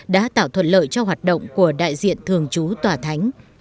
đã tạo thuận lợi cho hoạt động của đại diện thường trú tòa thánh